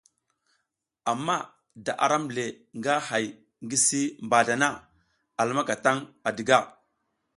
Ama da aram le nga hay ngi si mbazla na a lumaka tan à diga.